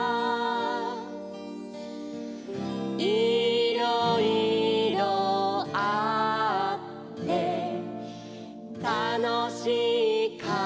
「いろいろあってたのしいかもね」